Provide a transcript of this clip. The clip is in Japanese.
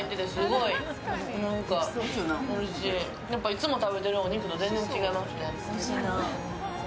いつも食べてるお肉と全然違いますね。